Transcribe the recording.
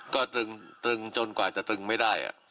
ก็ตึงจนกว่าจะตึงไม่ได้